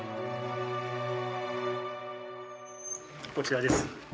こちらです。